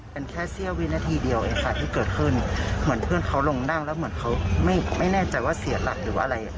เป็นแค่เสี้ยววินาทีเดียวเองค่ะที่เกิดขึ้นเหมือนเพื่อนเขาลงนั่งแล้วเหมือนเขาไม่แน่ใจว่าเสียหลักหรืออะไร